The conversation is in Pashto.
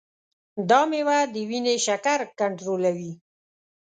دا مېوه د وینې شکر کنټرولوي.